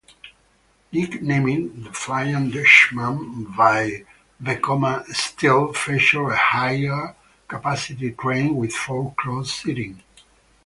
Nicknamed the 'Flying Dutchman' by Vekoma, "Stealth" featured a higher-capacity train with four-across seating.